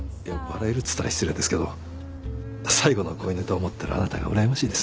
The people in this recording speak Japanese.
笑えるっつったら失礼ですけど最後の恋ネタを持ってるあなたがうらやましいです。